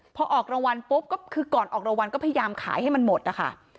พอออกรางวัลปุ๊บก็คือก่อนออกรางวัลก็พยายามขายให้มันหมดนะคะ